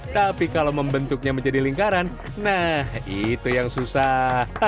tapi kalau membentuknya menjadi lingkaran nah itu yang susah